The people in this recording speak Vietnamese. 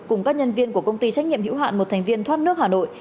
cùng các nhân viên của công ty trách nhiệm hữu hạn một thành viên thoát nước hà nội